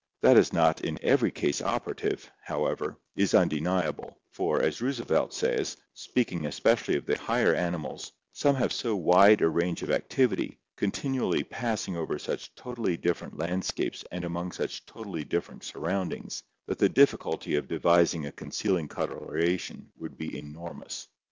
That it is not in every case operative, however, is undeniable, for, as Roosevelt says, speaking especially of the higher animals, some have so wide a range of ac tivity, continually passing over such totally different landscapes and among such totally different surroundings, that the difficulty of devising a concealing coloration would be enormous (191 1).